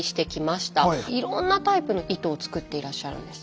いろんなタイプの糸を作っていらっしゃるんです。